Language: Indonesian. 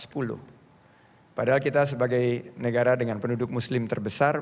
padahal kita sebagai negara dengan penduduk muslim terbesar